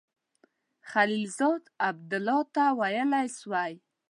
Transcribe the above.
خلیلزاد عبدالله ته ویلای سوای.